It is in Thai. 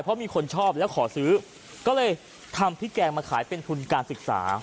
เพราะมีคนชอบแล้วขอซื้อก็เลยทำพริกแกงมาขายเป็นทุนการศึกษา